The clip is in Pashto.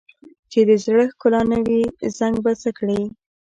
چې د زړه ښکلا نه وي، زنګ به څه وکړي؟